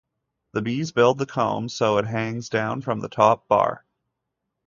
The bees build the comb so it hangs down from the top bar.